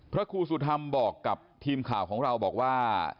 พระครูสุธรรมบอกกับทีมข่าวของเราบอกว่า